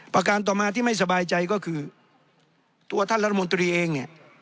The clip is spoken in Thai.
ประการต่อมาที่ไม่สบายใจก็คือตัวท่านรัฐมนตรีเองเนี่ย